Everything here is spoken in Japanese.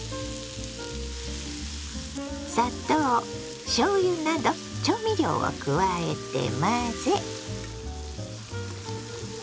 砂糖しょうゆなど調味料を加えて混ぜ。